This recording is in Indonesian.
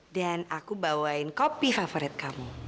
dan aku bawain kopi favorit kamu